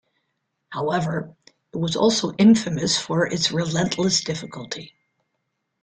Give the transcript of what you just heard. However, it was also infamous for its relentless difficulty.